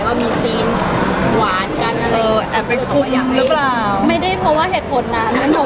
เหมือนรอดแรกความทิศภาพผลุงไป